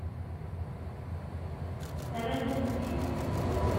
Rrant-am-tt-id.